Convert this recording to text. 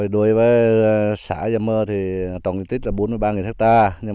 đối với xã yabir tổng diện tích là bốn mươi ba hectare